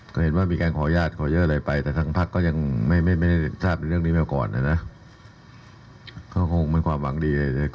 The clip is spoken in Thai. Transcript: ฉันไม่ได้ถามเรื่องดีบางที